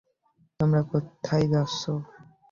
তোমরা যাচ্ছ কোথায়?